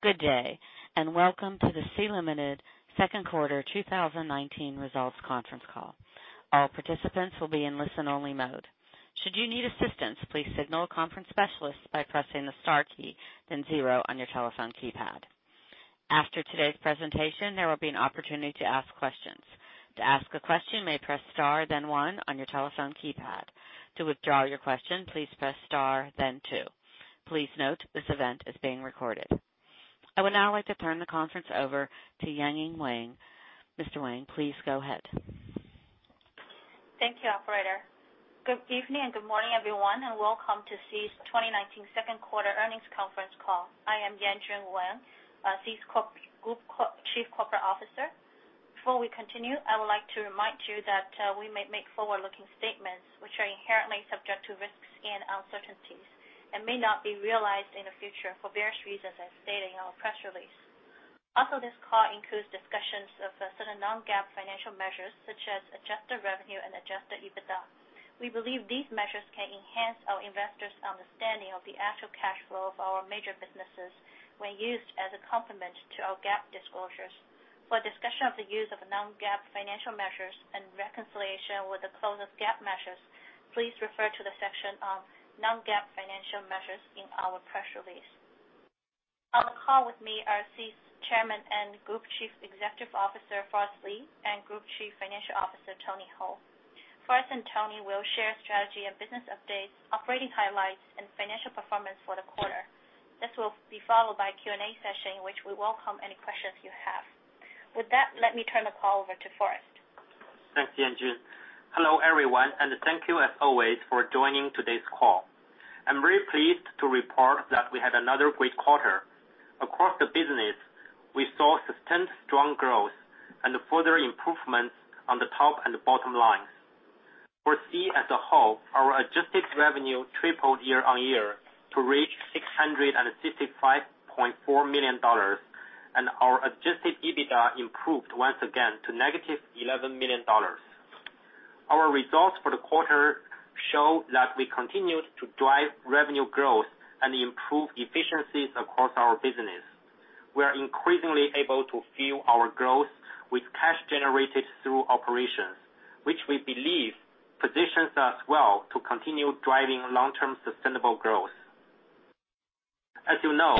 Good day. Welcome to the Sea Limited second quarter 2019 results conference call. All participants will be in listen-only mode. Should you need assistance, please signal a conference specialist by pressing the star key, then zero on your telephone keypad. After today's presentation, there will be an opportunity to ask questions. To ask a question, you may press star then one on your telephone keypad. To withdraw your question, please press star then two. Please note, this event is being recorded. I would now like to turn the conference over to Yanjun Wang. Mr. Wang, please go ahead. Thank you, operator. Good evening and good morning, everyone, and welcome to Sea's 2019 second quarter earnings conference call. I am Yanjun Wang, Sea's Group Chief Corporate Officer. Before we continue, I would like to remind you that we may make forward-looking statements which are inherently subject to risks and uncertainties and may not be realized in the future for various reasons as stated in our press release. Also, this call includes discussions of certain non-GAAP financial measures such as adjusted revenue and adjusted EBITDA. We believe these measures can enhance our investors' understanding of the actual cash flow of our major businesses when used as a complement to our GAAP disclosures. For a discussion of the use of non-GAAP financial measures and reconciliation with the closest GAAP measures, please refer to the section on non-GAAP financial measures in our press release. On the call with me are Sea's Chairman and Group Chief Executive Officer, Forrest Li, and Group Chief Financial Officer, Tony Hou. Forrest and Tony will share strategy and business updates, operating highlights, and financial performance for the quarter. This will be followed by a Q&A session in which we welcome any questions you have. With that, let me turn the call over to Forrest. Thanks, Yanjun. Hello, everyone, and thank you as always for joining today's call. I'm very pleased to report that we had another great quarter. Across the business, we saw sustained strong growth and further improvements on the top and bottom lines. For Sea as a whole, our adjusted revenue tripled year-on-year to reach $665.4 million and our adjusted EBITDA improved once again to negative $11 million. Our results for the quarter show that we continued to drive revenue growth and improve efficiencies across our business. We are increasingly able to fuel our growth with cash generated through operations, which we believe positions us well to continue driving long-term sustainable growth. As you know,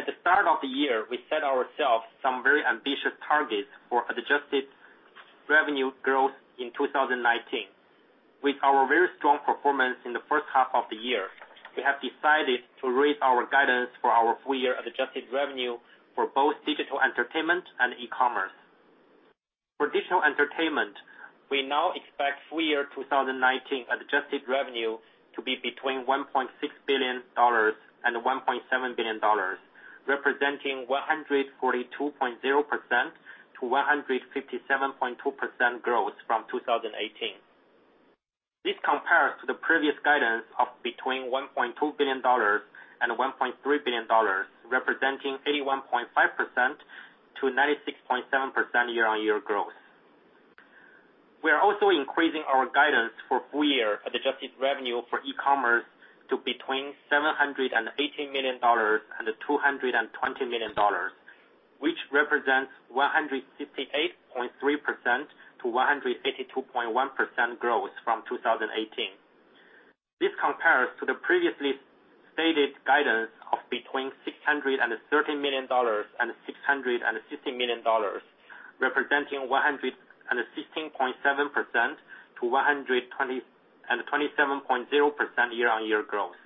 at the start of the year, we set ourselves some very ambitious targets for adjusted revenue growth in 2019. With our very strong performance in the first half of the year, we have decided to raise our guidance for our full-year adjusted revenue for both digital entertainment and e-commerce. For digital entertainment, we now expect full-year 2019 adjusted revenue to be between $1.6 billion and $1.7 billion, representing 142.0%-157.2% growth from 2018. This compares to the previous guidance of between $1.2 billion and $1.3 billion, representing 81.5%-96.7% year-on-year growth. We are also increasing our guidance for full-year adjusted revenue for e-commerce to between $780 million and $220 million, which represents 158.3%-182.1% growth from 2018. This compares to the previously stated guidance of between $630 million and $650 million, representing 116.7%-127.0% year-on-year growth.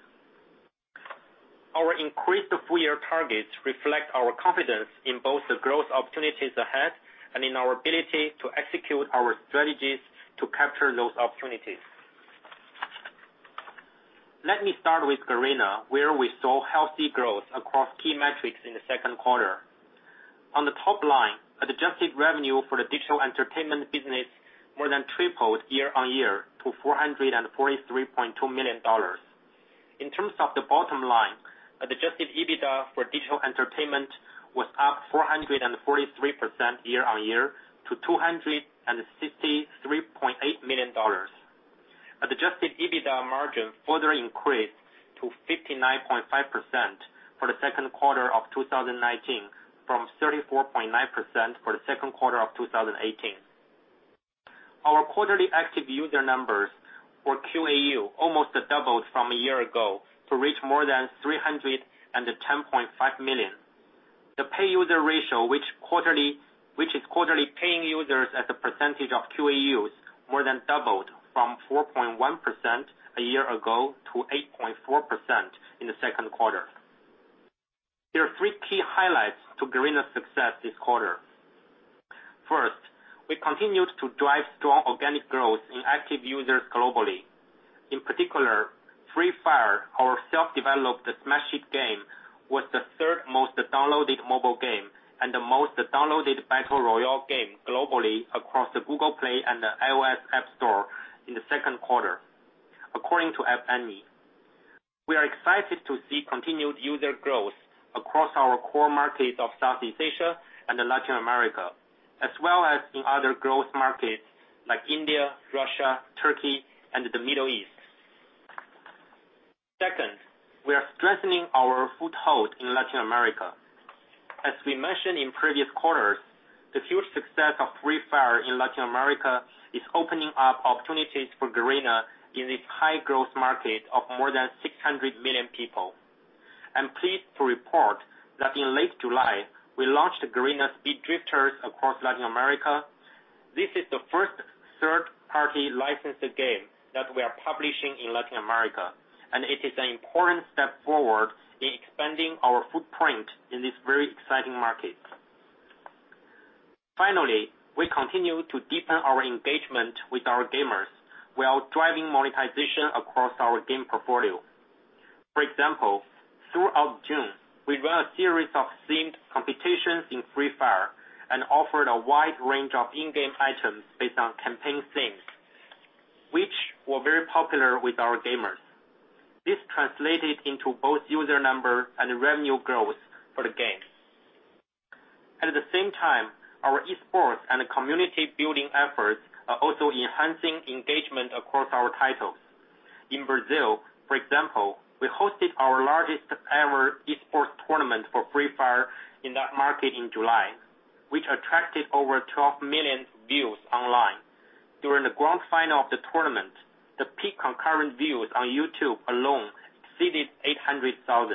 Our increased full-year targets reflect our confidence in both the growth opportunities ahead and in our ability to execute our strategies to capture those opportunities. Let me start with Garena, where we saw healthy growth across key metrics in the second quarter. On the top line, adjusted revenue for the digital entertainment business more than tripled year-on-year to $443.2 million. In terms of the bottom line, adjusted EBITDA for digital entertainment was up 443% year-on-year to $263.8 million. Adjusted EBITDA margin further increased to 59.5% for the second quarter of 2019 from 34.9% for the second quarter of 2018. Our quarterly active user numbers or QAU almost doubled from a year ago to reach more than 310.5 million. The pay user ratio, which is quarterly paying users as a percentage of QAUs, more than doubled from 4.1% a year ago to 8.4% in the second quarter. There are three key highlights to Garena's success this quarter. First, we continued to drive strong organic growth in active users globally. In particular, Free Fire, our self-developed smash hit game, was the third most downloaded mobile game and the most downloaded battle royale game globally across the Google Play and the iOS App Store in the second quarter, according to App Annie. We are excited to see continued user growth across our core markets of Southeast Asia and Latin America, as well as in other growth markets like India, Russia, Turkey, and the Middle East. Second, we are strengthening our foothold in Latin America. As we mentioned in previous quarters, the huge success of Free Fire in Latin America is opening up opportunities for Garena in this high-growth market of more than 600 million people. I'm pleased to report that in late July, we launched Garena Speed Drifters across Latin America. This is the first third-party licensed game that we are publishing in Latin America, and it is an important step forward in expanding our footprint in this very exciting market. Finally, we continue to deepen our engagement with our gamers while driving monetization across our game portfolio. For example, throughout June, we ran a series of themed competitions in Free Fire and offered a wide range of in-game items based on campaign themes, which were very popular with our gamers. This translated into both user number and revenue growth for the game. At the same time, our esports and community building efforts are also enhancing engagement across our titles. In Brazil, for example, we hosted our largest ever esports tournament for Free Fire in that market in July, which attracted over 12 million views online. During the grand final of the tournament, the peak concurrent views on YouTube alone exceeded 800,000.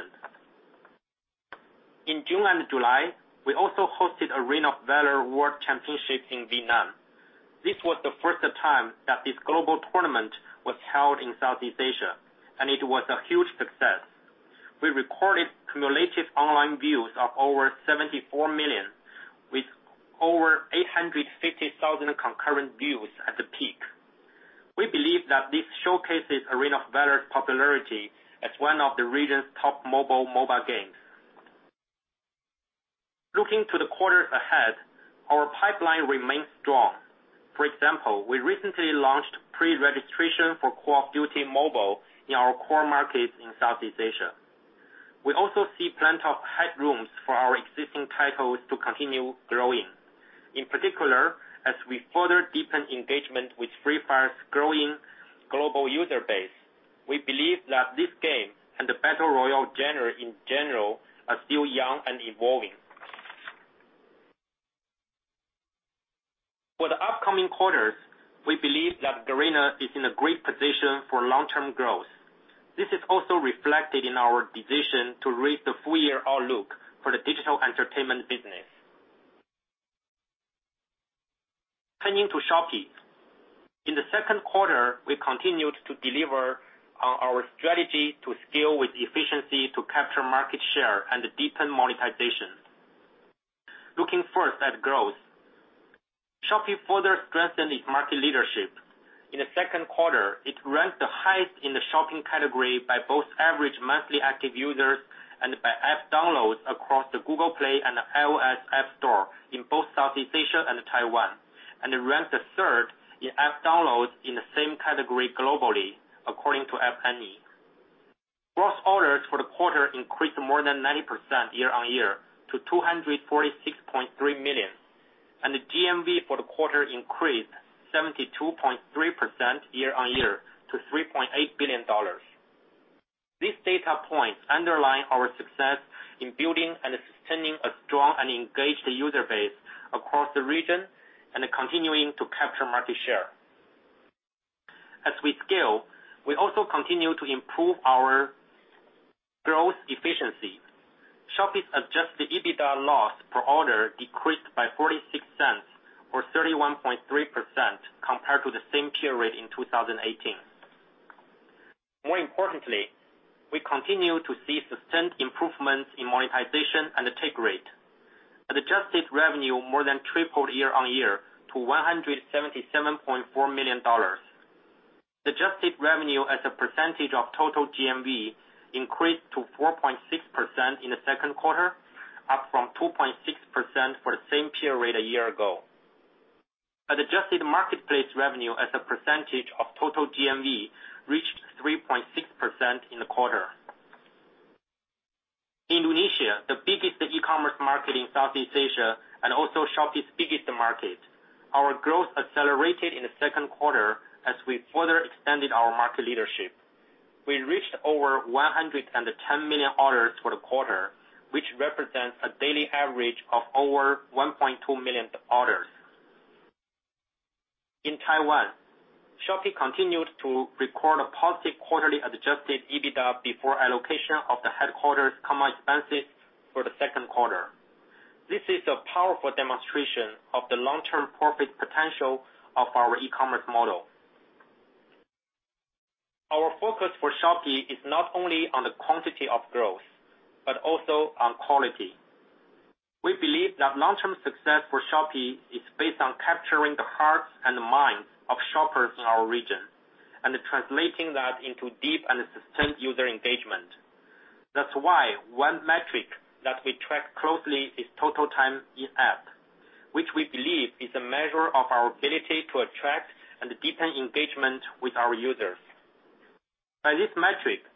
In June and July, we also hosted Arena of Valor World Cup in Vietnam. This was the first time that this global tournament was held in Southeast Asia, and it was a huge success. We recorded cumulative online views of over 74 million, with over 850,000 concurrent views at the peak. We believe that this showcases Arena of Valor's popularity as one of the region's top mobile games. Looking to the quarter ahead, our pipeline remains strong. For example, we recently launched pre-registration for Call of Duty: Mobile in our core markets in Southeast Asia. We also see plenty of headrooms for our existing titles to continue growing. In particular, as we further deepen engagement with Free Fire's growing global user base, we believe that this game and the battle royale genre, in general, are still young and evolving. For the upcoming quarters, we believe that Garena is in a great position for long-term growth. This is also reflected in our decision to raise the full-year outlook for the digital entertainment business. Turning to Shopee. In the second quarter, we continued to deliver our strategy to scale with efficiency to capture market share and deepen monetization. Looking first at growth, Shopee further strengthened its market leadership. In the second quarter, it ranked the highest in the shopping category by both average monthly active users and by app downloads across the Google Play and the iOS App Store in both Southeast Asia and Taiwan, and it ranked the third in app downloads in the same category globally, according to App Annie. Gross orders for the quarter increased more than 90% year-on-year to 246.3 million, and the GMV for the quarter increased 72.3% year-on-year to $3.8 billion. These data points underline our success in building and sustaining a strong and engaged user base across the region and continuing to capture market share. As we scale, we also continue to improve our growth efficiency. Shopee's adjusted EBITDA loss per order decreased by $0.46, or 31.3%, compared to the same period in 2018. More importantly, we continue to see sustained improvements in monetization and take rate. Adjusted revenue more than tripled year-on-year to $177.4 million. Adjusted revenue as a percentage of total GMV increased to 4.6% in the second quarter, up from 2.6% for the same period a year ago. Adjusted marketplace revenue as a percentage of total GMV reached 3.6% in the quarter. Indonesia, the biggest e-commerce market in Southeast Asia, and also Shopee's biggest market, our growth accelerated in the second quarter as we further extended our market leadership. We reached over 110 million orders for the quarter, which represents a daily average of over 1.2 million orders. In Taiwan, Shopee continued to record a positive quarterly adjusted EBITDA before allocation of the headquarters common expenses for the second quarter. This is a powerful demonstration of the long-term profit potential of our e-commerce model. Our focus for Shopee is not only on the quantity of growth, but also on quality. We believe that long-term success for Shopee is based on capturing the hearts and minds of shoppers in our region and translating that into deep and sustained user engagement. That's why one metric that we track closely is total time in-app, which we believe is a measure of our ability to attract and deepen engagement with our users. By this metric,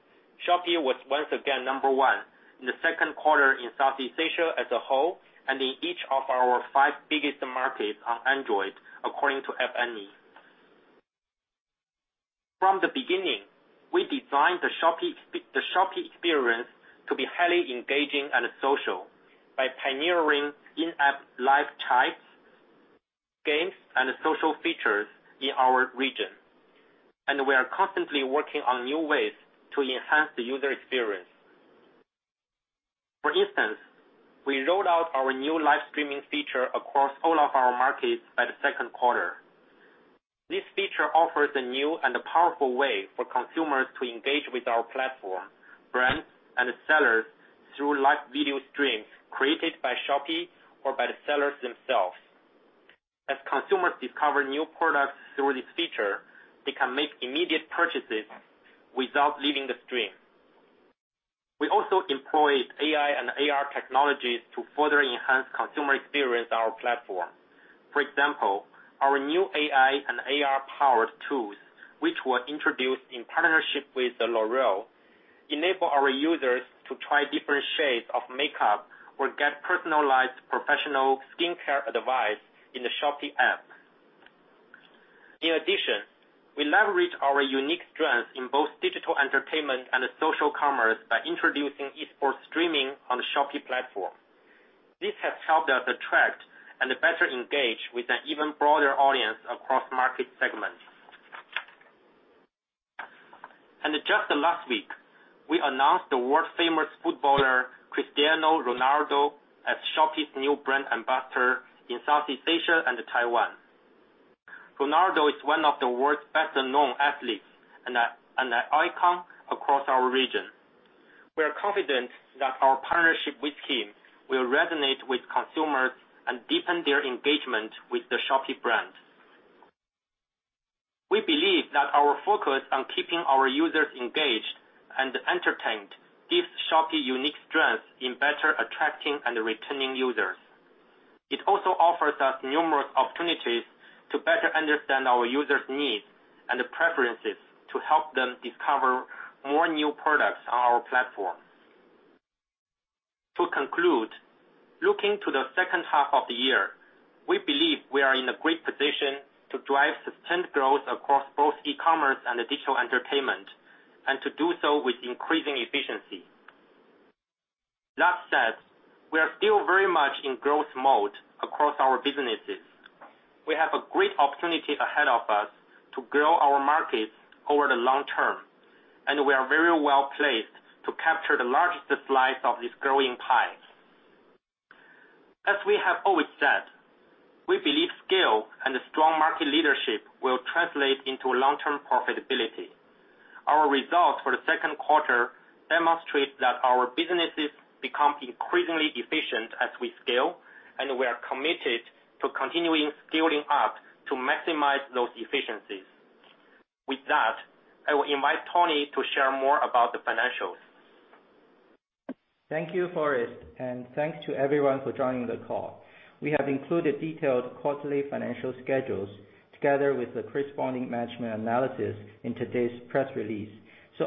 Shopee was once again number one in the second quarter in Southeast Asia as a whole, and in each of our five biggest markets on Android, according to App Annie. From the beginning, we designed the Shopee experience to be highly engaging and social by pioneering in-app live chats, games, and social features in our region. We are constantly working on new ways to enhance the user experience. For instance, we rolled out our new live streaming feature across all of our markets by the second quarter. This feature offers a new and powerful way for consumers to engage with our platform, brands, and the sellers through live video streams created by Shopee or by the sellers themselves. As consumers discover new products through this feature, they can make immediate purchases without leaving the stream. We also employed AI and AR technologies to further enhance consumer experience on our platform. For example, our new AI and AR-powered tools, which were introduced in partnership with L'Oréal, enable our users to try different shades of makeup or get personalized professional skincare advice in the Shopee app. In addition, we leverage our unique strengths in both digital entertainment and social commerce by introducing e-sport streaming on the Shopee platform. This has helped us attract and better engage with an even broader audience across market segments. Just last week, we announced the world-famous footballer, Cristiano Ronaldo, as Shopee's new brand ambassador in Southeast Asia and Taiwan. Ronaldo is one of the world's best-known athletes and an icon across our region. We are confident that our partnership with him will resonate with consumers and deepen their engagement with the Shopee brand. We believe that our focus on keeping our users engaged and entertained gives Shopee unique strength in better attracting and retaining users. It also offers us numerous opportunities to better understand our users' needs and preferences to help them discover more new products on our platform. To conclude, looking to the second half of the year, we believe we are in a great position to drive sustained growth across both e-commerce and digital entertainment, and to do so with increasing efficiency. That said, we are still very much in growth mode across our businesses. We have a great opportunity ahead of us to grow our markets over the long term, and we are very well-placed to capture the largest slice of this growing pie. As we have always said, we believe scale and strong market leadership will translate into long-term profitability. Our results for the second quarter demonstrate that our businesses become increasingly efficient as we scale, and we are committed to continuing scaling up to maximize those efficiencies. With that, I will invite Tony to share more about the financials. Thank you, Forrest, and thanks to everyone for joining the call. We have included detailed quarterly financial schedules together with the corresponding management analysis in today's press release.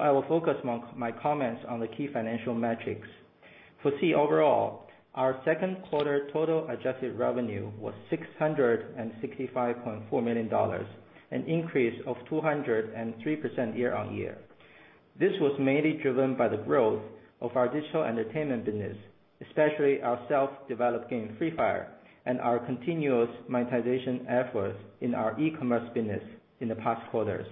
I will focus my comments on the key financial metrics. For Sea overall, our second quarter total adjusted revenue was $665.4 million, an increase of 203% year-on-year. This was mainly driven by the growth of our digital entertainment business, especially our self-developed game, Free Fire, and our continuous monetization efforts in our e-commerce business in the past quarters.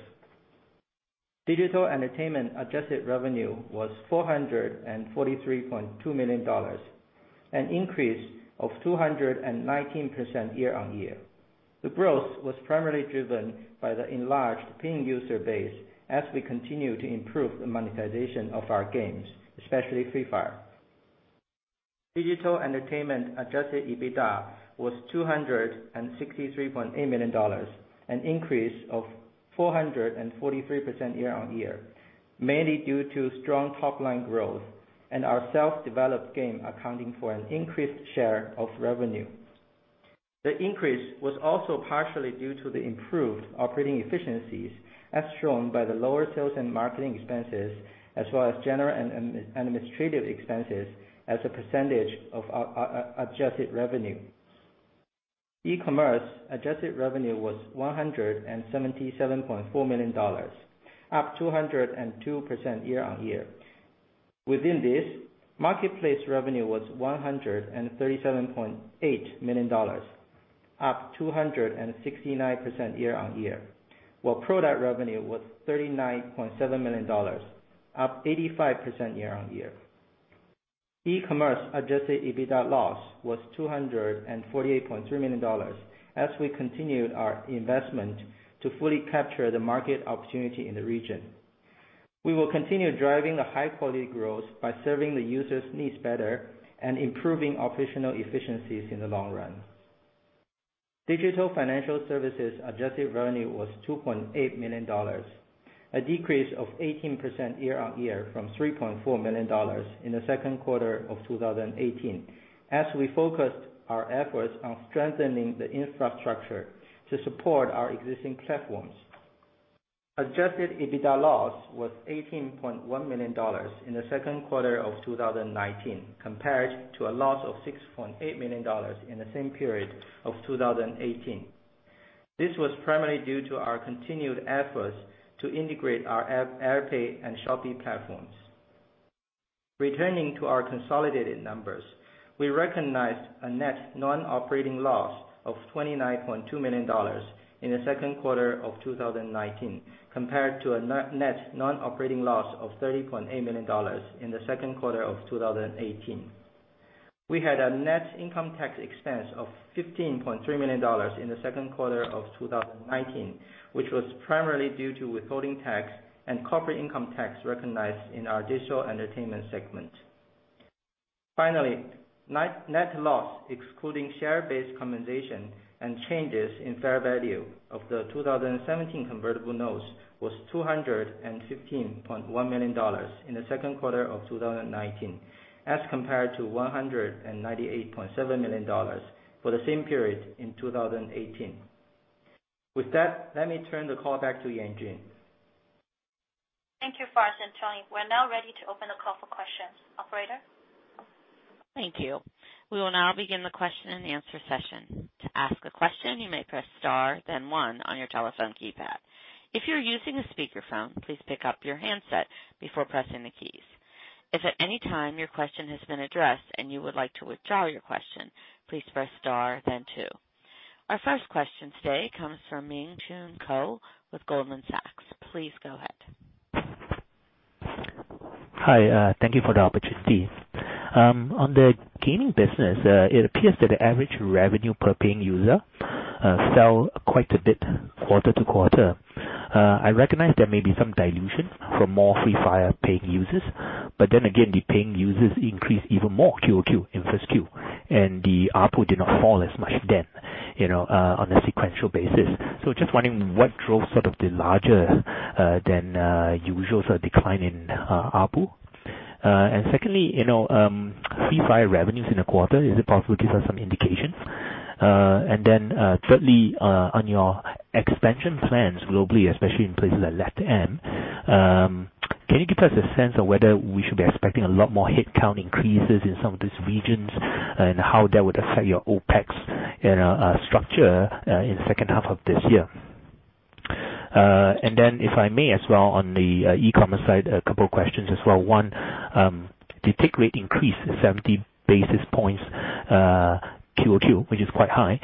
Digital entertainment adjusted revenue was $443.2 million, an increase of 219% year-on-year. The growth was primarily driven by the enlarged paying user base as we continue to improve the monetization of our games, especially Free Fire. Digital entertainment adjusted EBITDA was $263.8 million, an increase of 443% year-on-year, mainly due to strong top-line growth and our self-developed game accounting for an increased share of revenue. The increase was also partially due to the improved operating efficiencies, as shown by the lower sales and marketing expenses, as well as General and Administrative expenses as a percentage of our adjusted revenue. E-commerce adjusted revenue was $177.4 million, up 202% year-on-year. Within this, marketplace revenue was $137.8 million, up 269% year-on-year, while product revenue was $39.7 million, up 85% year-on-year. E-commerce adjusted EBITDA loss was $248.3 million as we continued our investment to fully capture the market opportunity in the region. We will continue driving the high-quality growth by serving the users' needs better and improving operational efficiencies in the long run. Digital financial services adjusted revenue was $2.8 million, a decrease of 18% year-on-year from $3.4 million in the second quarter of 2018, as we focused our efforts on strengthening the infrastructure to support our existing platforms. Adjusted EBITDA loss was $18.1 million in the second quarter of 2019, compared to a loss of $6.8 million in the same period of 2018. This was primarily due to our continued efforts to integrate our AirPay and Shopee platforms. Returning to our consolidated numbers, we recognized a net non-operating loss of $29.2 million in the second quarter of 2019, compared to a net non-operating loss of $30.8 million in the second quarter of 2018. We had a net income tax expense of $15.3 million in the second quarter of 2019, which was primarily due to withholding tax and corporate income tax recognized in our digital entertainment segment. Finally, net loss, excluding share-based compensation and changes in fair value of the 2017 convertible notes, was $215.1 million in the second quarter of 2019 as compared to $198.7 million for the same period in 2018. With that, let me turn the call back to Yanjun Wang. Thank you, Forrest and Tony. We're now ready to open the call for questions. Operator? Thank you. We will now begin the question and answer session. To ask a question, you may press star then one on your telephone keypad. If you're using a speakerphone, please pick up your handset before pressing the keys. If at any time your question has been addressed and you would like to withdraw your question, please press star then two. Our first question today comes from Miang Chuen Koh with Goldman Sachs. Please go ahead. Hi. Thank you for the opportunity. On the gaming business, it appears that the average revenue per paying user fell quite a bit quarter-to-quarter. I recognize there may be some dilution from more Free Fire paying users. Again, the paying users increased even more QOQ in 1Q. The ARPU did not fall as much then on a sequential basis. Just wondering what drove sort of the larger than usual decline in ARPU. Secondly, Free Fire revenues in the quarter, is it possible to give us some indications? Thirdly, on your expansion plans globally, especially in places like LatAm, can you give us a sense of whether we should be expecting a lot more headcount increases in some of these regions and how that would affect your OPEX structure in the second half of this year? If I may as well on the e-commerce side, a couple of questions as well. One, the take rate increased 70 basis points QoQ, which is quite high.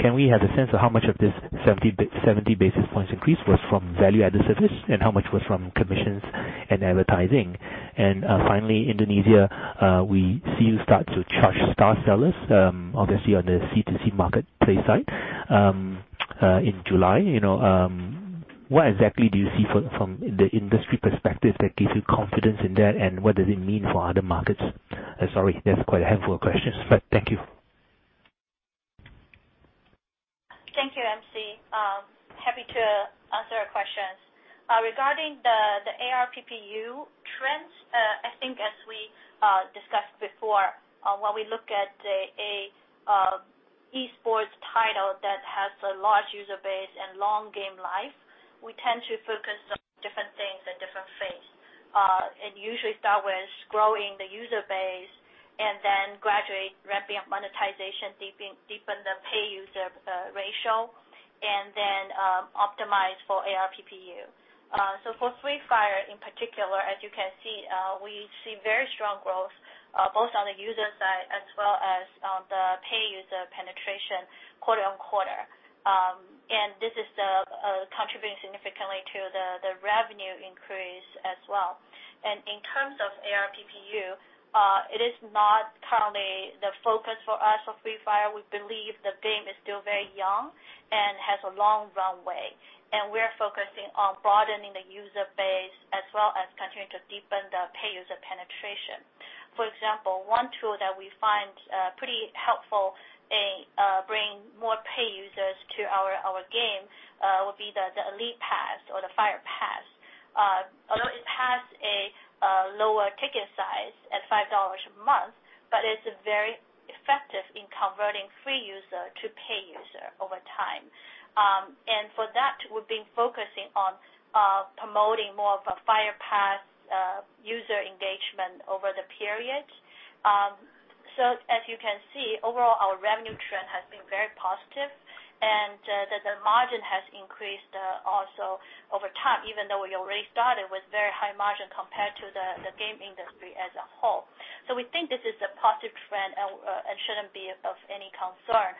Can we have a sense of how much of this 70 basis points increase was from value-added service, and how much was from commissions and advertising? Finally, Indonesia, we see you start to charge star sellers, obviously on the C2C marketplace side in July. What exactly do you see from the industry perspective that gives you confidence in that, and what does it mean for other markets? Sorry, that's quite a handful of questions, but thank you. Thank you, MC. Happy to answer your questions. Regarding the ARPPU trends, I think as we discussed before, when we look at an esports title that has a large user base and long game life, we tend to focus on different things at different phases. Usually start with growing the user base and then gradually ramping up monetization, deepen the pay user ratio, and then optimize for ARPPU. For Free Fire in particular, as you can see, we see very strong growth both on the user side as well as on the pay user penetration quarter-on-quarter. This is contributing significantly to the revenue increase as well. In terms of ARPPU, it is not currently the focus for us for Free Fire. We believe the game is still very young and has a long runway, and we're focusing on broadening the user base as well as continuing to deepen the pay user penetration. For example, one tool that we find pretty helpful in bringing more pay users to our game would be the Elite Pass or the Fire Pass. Although it has a lower ticket size at $5 a month, it's very effective in converting free user to pay user over time. For that, we've been focusing on promoting more of a Fire Pass user engagement over the period. As you can see, overall, our revenue trend has been very positive, and the margin has increased also over time, even though we already started with very high margin compared to the game industry as a whole. We think this is a positive trend and shouldn't be of any concern.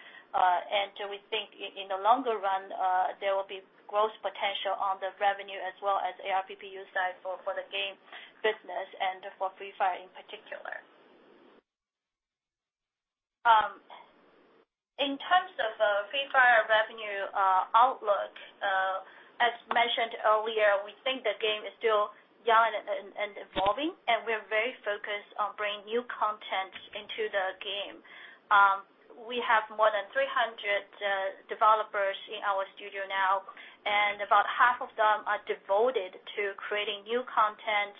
We think in the longer run, there will be growth potential on the revenue as well as ARPPU side for the game business and for Free Fire in particular. In terms of Free Fire revenue outlook, as mentioned earlier, we think the game is still young and evolving, and we're very focused on bringing new content into the game. We have more than 300 developers in our studio now, and about half of them are devoted to creating new content,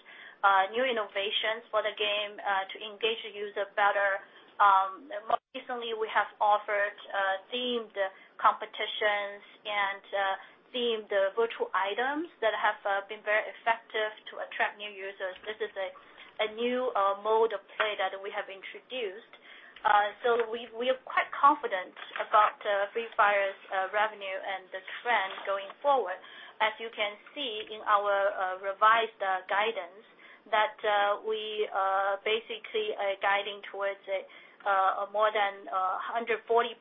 new innovations for the game, to engage the user better. Most recently, we have offered themed competitions and themed virtual items that have been very effective to attract new users. This is a new mode of play that we have introduced. We are quite confident about Free Fire's revenue and the trend going forward. As you can see in our revised guidance, that we are basically guiding towards more than 140%-150%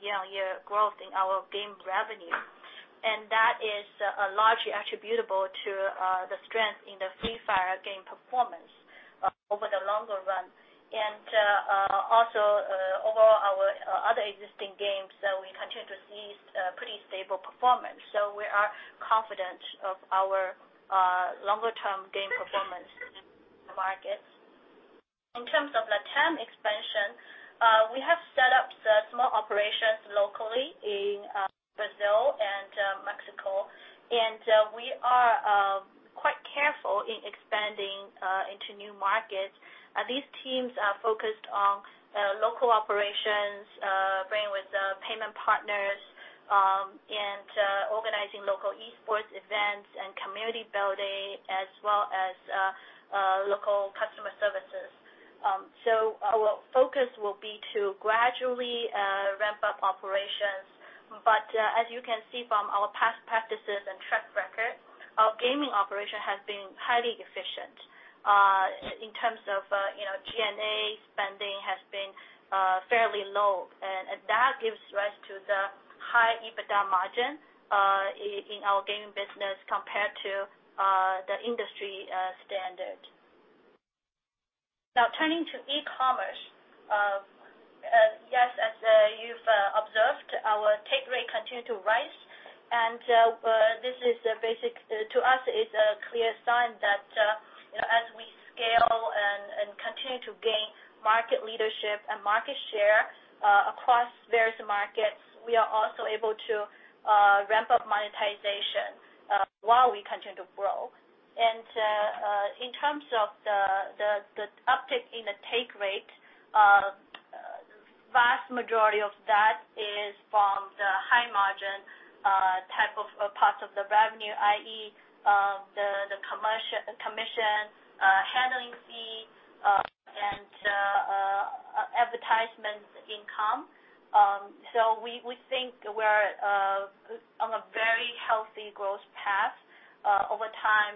year-on-year growth in our game revenue. That is largely attributable to the strength in the Free Fire game performance over the longer run. Also overall, our other existing games that we continue to see pretty stable performance. We are confident of our longer-term game performance in the markets. In terms of LATAM expansion, we have set up small operations locally in Brazil and Mexico. We are quite careful in expanding into new markets. These teams are focused on local operations, bringing with the payment partners, and organizing local esports events and community building, as well as local customer services. Our focus will be to gradually ramp up operations. As you can see from our past practices and track record, our gaming operation has been highly efficient. In terms of G&A spending has been fairly low. That gives rise to the high EBITDA margin in our gaming business compared to the industry standard. Now turning to e-commerce. Yes, as you've observed, our take rate continued to rise, and to us it's a clear sign that as we scale and continue to gain market leadership and market share across various markets, we are also able to ramp up monetization while we continue to grow. In terms of the uptick in the take rate, vast majority of that is from the high margin type of parts of the revenue, i.e., the commission, handling fee, and advertisement income. We think we're on a very healthy growth path over time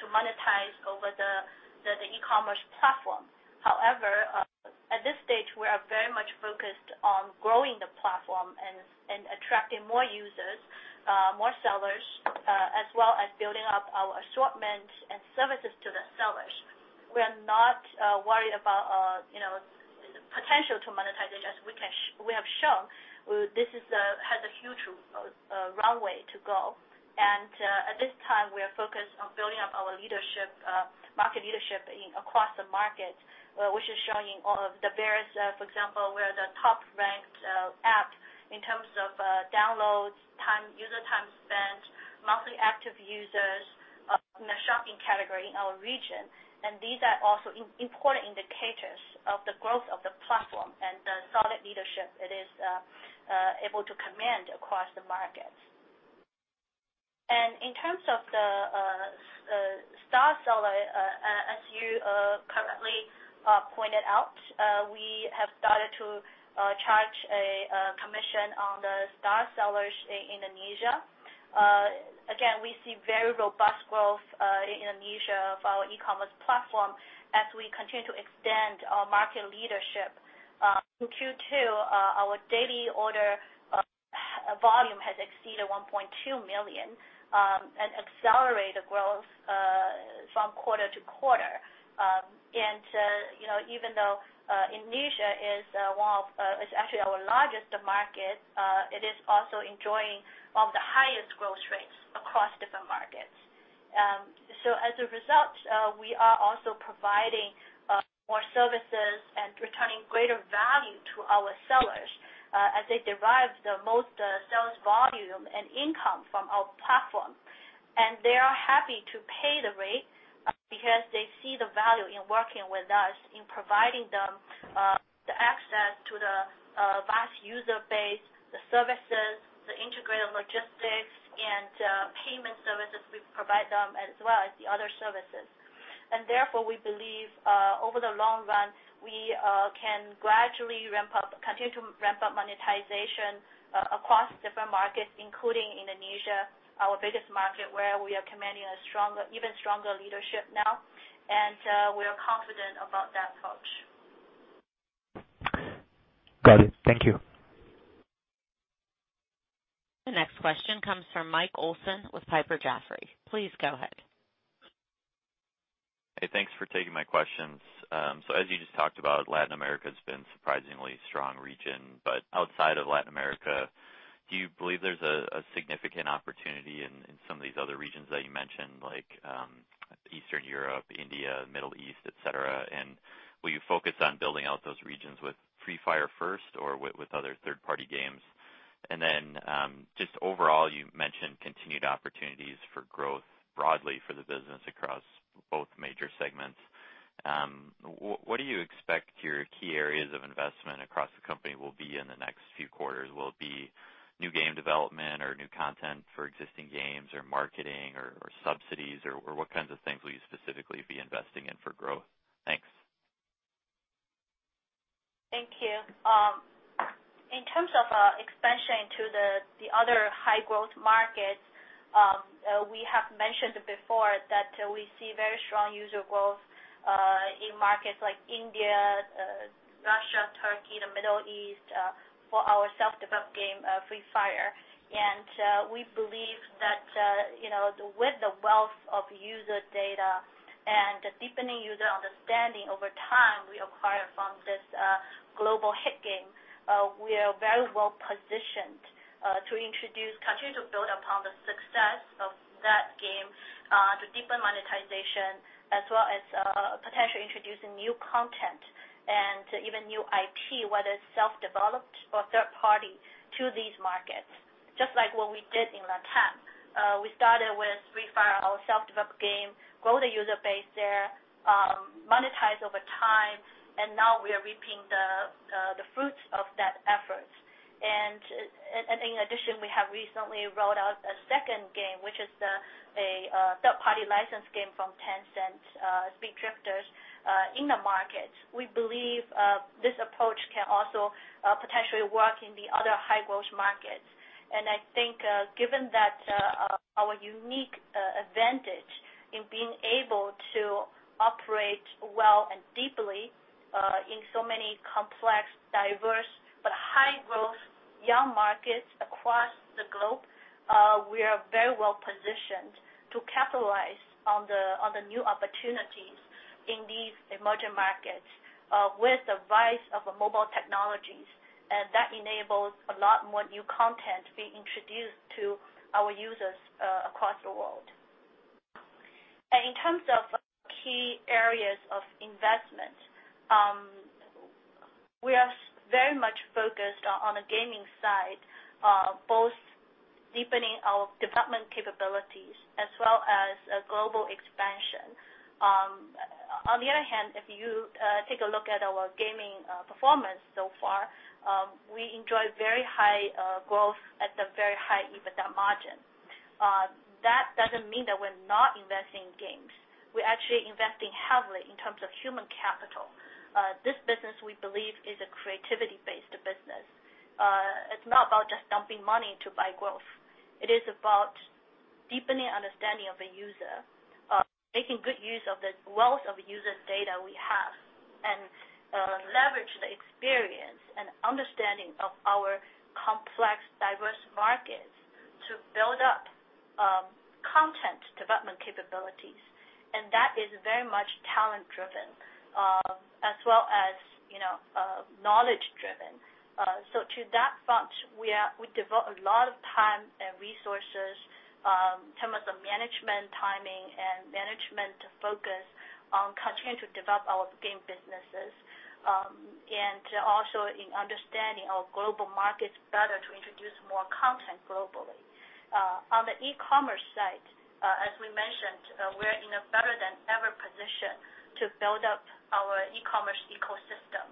to monetize over the e-commerce platform. At this stage, we are very much focused on growing the platform and attracting more users, more sellers, as well as building up our assortment and services to the sellers. We are not worried about potential to monetization, as we have shown. This has a huge runway to go. At this time, we are focused on building up our market leadership across the market, which is showing all of the various, for example, we are the top-ranked app in terms of downloads, user time spent, monthly active users in the shopping category in our region. These are also important indicators of the growth of the platform and the solid leadership it is able to command across the markets. In terms of the star seller, as you correctly pointed out, we have started to charge a commission on the star sellers in Indonesia. Again, we see very robust growth in Indonesia of our e-commerce platform as we continue to extend our market leadership. In Q2, our daily order volume has exceeded 1.2 million, and accelerated growth from quarter-to-quarter. Even though Indonesia is actually our largest market, it is also enjoying one of the highest growth rates across different markets. As a result, we are also providing more services and returning greater value to our sellers as they derive the most sales volume and income from our platform. They are happy to pay the rate because they see the value in working with us, in providing them the access to the vast user base, the services, the integrated logistics, and payment services we provide them, as well as the other services. Therefore, we believe, over the long run, we can continue to ramp up monetization across different markets, including Indonesia, our biggest market, where we are commanding an even stronger leadership now. We are confident about that approach. Got it. Thank you. The next question comes from Michael Olson with Piper Jaffray. Please go ahead. Hey, thanks for taking my questions. As you just talked about, Latin America has been surprisingly strong region. Outside of Latin America, do you believe there's a significant opportunity in some of these other regions that you mentioned, like Eastern Europe, India, Middle East, et cetera? Will you focus on building out those regions with Free Fire first or with other third-party games? Just overall, you mentioned continued opportunities for growth broadly for the business across both major segments. What do you expect your key areas of investment across the company will be in the next few quarters? Will it be new game development or new content for existing games, or marketing or subsidies, or what kinds of things will you specifically be investing in for growth? Thanks. Thank you. In terms of expansion to the other high-growth markets, we have mentioned before that we see very strong user growth in markets like India, Russia, Turkey, the Middle East for our self-developed game, Free Fire. We believe that with the wealth of user data and deepening user understanding over time we acquire from this global hit game, we are very well-positioned to continue to build upon the success of that game to deepen monetization as well as potentially introducing new content and even new IP, whether it's self-developed or third party to these markets. Just like what we did in LATAM. We started with Free Fire, our self-developed game, grow the user base there, monetize over time, now we are reaping the fruits of that effort. In addition, we have recently rolled out a second game, which is a third-party licensed game from Tencent, Speed Drifters, in the market. We believe this approach can also potentially work in the other high-growth markets. I think given that our unique advantage in being able to operate well and deeply in so many complex, diverse, but high-growth young markets across the globe, we are very well-positioned to capitalize on the new opportunities in these emerging markets with the rise of mobile technologies. That enables a lot more new content being introduced to our users across the world. In terms of key areas of investment, we are very much focused on the gaming side, both deepening our development capabilities as well as global expansion. On the other hand, if you take a look at our gaming performance so far, we enjoy very high growth at a very high EBITDA margin. That doesn't mean that we're not investing in games. We're actually investing heavily in terms of human capital. This business, we believe, is a creativity-based business. It's not about just dumping money to buy growth. It is about deepening understanding of the user, making good use of the wealth of user data we have, and leverage the experience and understanding of our complex, diverse markets to build up content development capabilities. That is very much talent-driven, as well as knowledge-driven. To that front, we devote a lot of time and resources in terms of management timing and management focus on continuing to develop our game businesses and also in understanding our global markets better to introduce more content globally. On the e-commerce side, as we mentioned, we're in a better-than-ever position to build up our e-commerce ecosystem.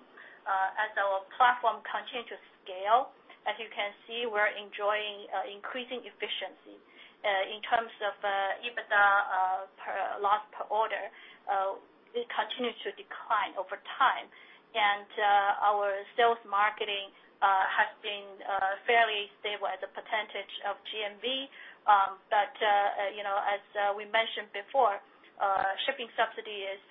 As our platform continues to scale, as you can see, we're enjoying increasing efficiency in terms of EBITDA loss per order. It continues to decline over time, and our sales marketing has been fairly stable as a percentage of GMV. As we mentioned before, shipping subsidy is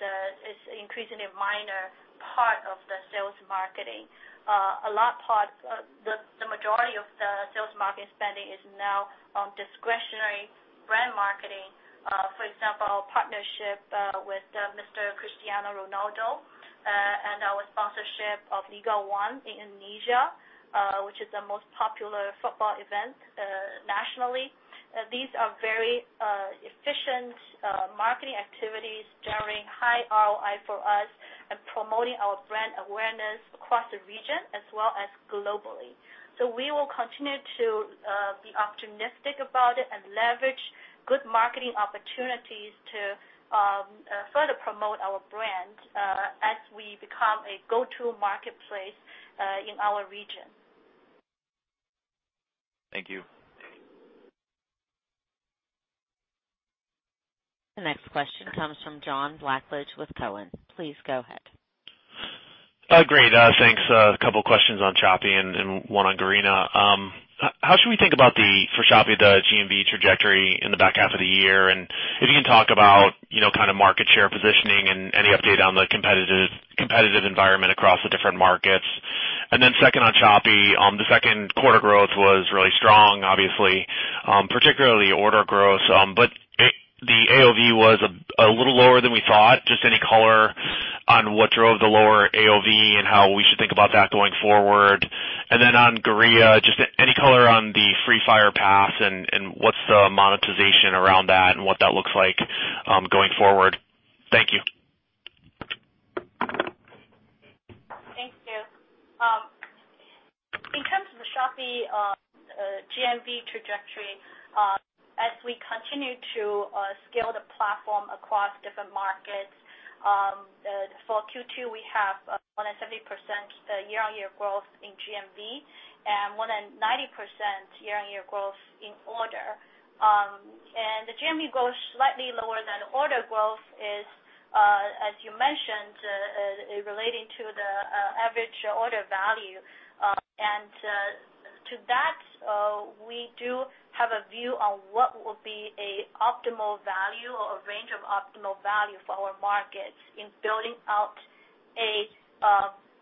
increasingly a minor part of the sales marketing. The majority of the sales marketing spending is now on discretionary brand marketing. For example, our partnership with Mr. Cristiano Ronaldo, and our sponsorship of Liga 1 in Indonesia, which is the most popular football event nationally. These are very efficient marketing activities generating high ROI for us and promoting our brand awareness across the region as well as globally. We will continue to be optimistic about it and leverage good marketing opportunities to further promote our brand, as we become a go-to marketplace in our region. Thank you. The next question comes from John Blackledge with Cowen. Please go ahead. Great. Thanks. A couple questions on Shopee and one on Garena. How should we think about for Shopee, the GMV trajectory in the back half of the year? If you can talk about market share positioning and any update on the competitive environment across the different markets. Second on Shopee, the second quarter growth was really strong, obviously, particularly order growth. The AOV was a little lower than we thought. Just any color on what drove the lower AOV and how we should think about that going forward. On Garena, just any color on the Free Fire Pass and what's the monetization around that and what that looks like? Thank you. In terms of the Shopee GMV trajectory, as we continue to scale the platform across different markets, for Q2, we have more than 70% year-on-year growth in GMV and more than 90% year-on-year growth in order. The GMV growth slightly lower than order growth is, as you mentioned, relating to the average order value. To that, we do have a view on what will be an optimal value or a range of optimal value for our markets in building out a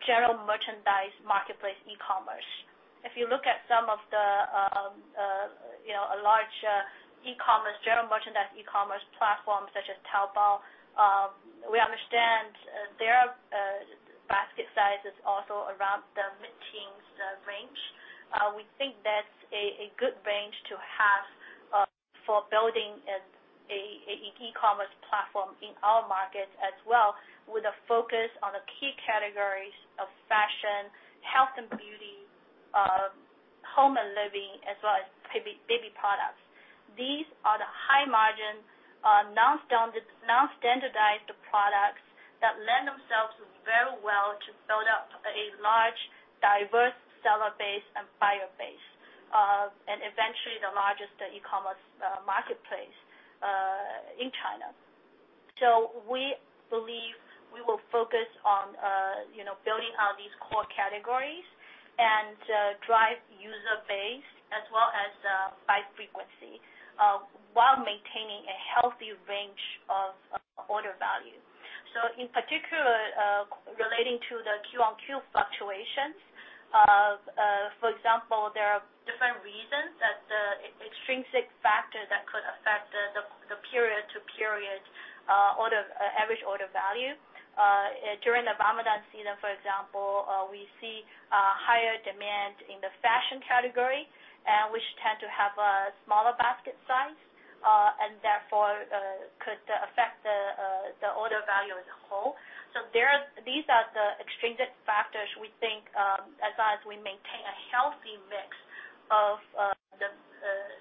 general merchandise marketplace e-commerce. If you look at some of the large general merchandise e-commerce platforms such as Taobao, we understand their basket size is also around the mid-teens range. We think that's a good range to have for building an e-commerce platform in our market as well, with a focus on the key categories of fashion, health and beauty, home and living, as well as baby products. These are the high-margin, non-standardized products that lend themselves very well to build up a large, diverse seller base and buyer base, and eventually the largest e-commerce marketplace in China. We believe we will focus on building out these core categories and drive user base as well as buy frequency, while maintaining a healthy range of order value. In particular, relating to the Q-on-Q fluctuations, for example, there are different reasons that the extrinsic factor that could affect the period-to-period average order value. During the Ramadan season, for example, we see higher demand in the fashion category, which tend to have a smaller basket size, and therefore could affect the order value as a whole. These are the extrinsic factors we think, as long as we maintain a healthy mix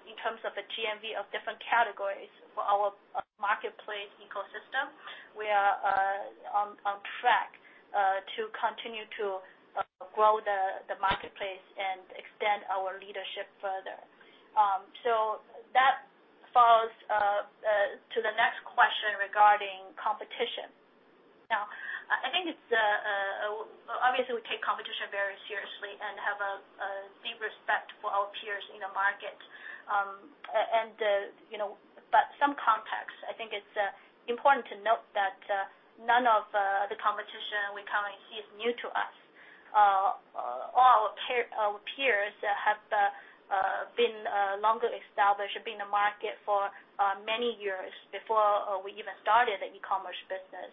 in terms of the GMV of different categories for our marketplace ecosystem, we are on track to continue to grow the marketplace and extend our leadership further. That falls to the next question regarding competition. Now, obviously, we take competition very seriously and have a deep respect for our peers in the market. Some context, I think it's important to note that none of the competition we currently see is new to us. All our peers have been longer established, have been in the market for many years before we even started the e-commerce business.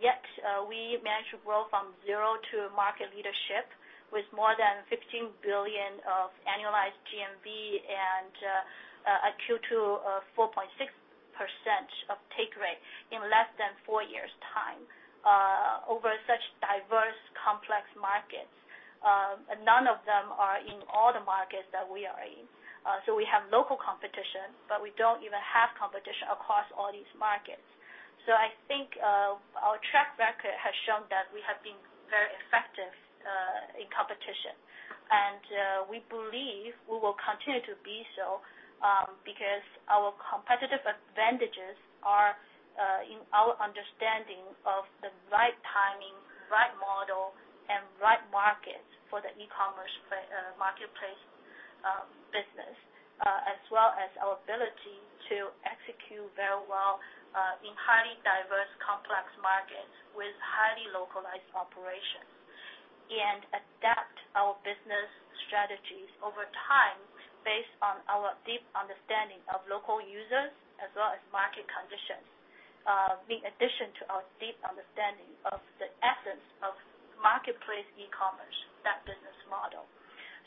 Yet we managed to grow from zero to market leadership with more than $15 billion of annualized GMV and a Q2 4.6% of take rate in less than four years time over such diverse, complex markets. None of them are in all the markets that we are in. We have local competition, but we don't even have competition across all these markets. I think our track record has shown that we have been very effective in competition. We believe we will continue to be so, because our competitive advantages are in our understanding of the right timing, right model, and right market for the e-commerce marketplace business, as well as our ability to execute very well in highly diverse, complex markets with highly localized operations. Adapt our business strategies over time based on our deep understanding of local users as well as market conditions, in addition to our deep understanding of the essence of marketplace e-commerce, that business model.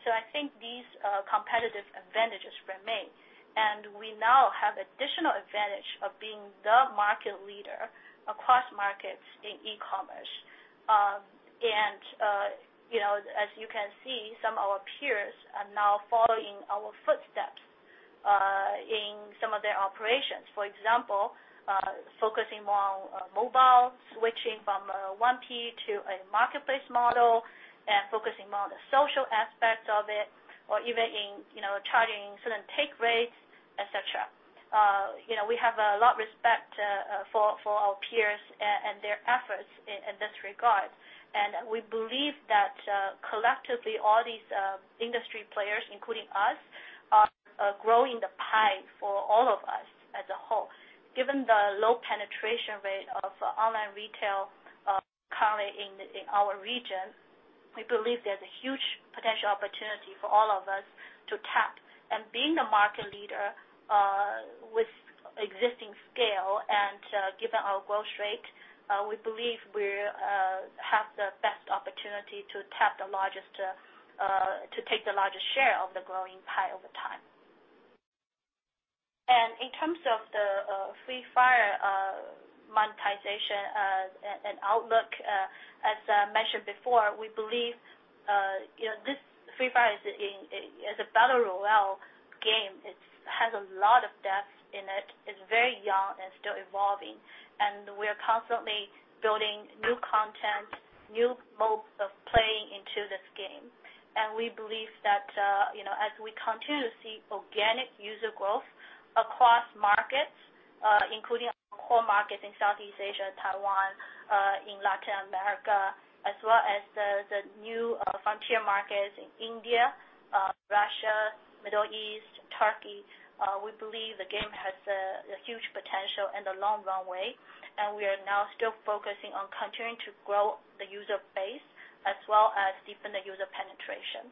I think these competitive advantages remain, and we now have additional advantage of being the market leader across markets in e-commerce. As you can see, some of our peers are now following our footsteps in some of their operations. For example, focusing more on mobile, switching from 1P to a marketplace model and focusing more on the social aspects of it, or even in charging certain take rates, et cetera. We have a lot respect for our peers and their efforts in this regard. We believe that collectively, all these industry players, including us, are growing the pie for all of us as a whole. Given the low penetration rate of online retail currently in our region, we believe there's a huge potential opportunity for all of us to tap. Being the market leader with existing scale and given our growth rate, we believe we have the best opportunity to take the largest share of the growing pie over time. In terms of the Free Fire monetization and outlook, as I mentioned before, we believe this Free Fire is a battle royale game. It has a lot of depth in it. It's very young and still evolving, and we are constantly building new content, new modes of playing into this game. We believe that as we continue to see organic user growth across markets, including our core markets in Southeast Asia, Taiwan, in Latin America, as well as the new frontier markets in India, Russia, Middle East, Turkey. We believe the game has a huge potential and a long runway. We are now still focusing on continuing to grow the user base as well as deepen the user penetration.